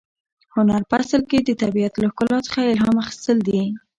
هنر په اصل کې د طبیعت له ښکلا څخه الهام اخیستل دي.